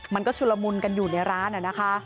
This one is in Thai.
มันก็ชุลมุนกันอยู่ในร้านอะนะคะ